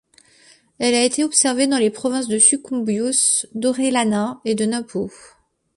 Elle a été observée dans les provinces de Sucumbíos, d'Orellana et de Napo.